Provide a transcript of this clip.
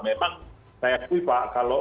memang saya setuju pak kalau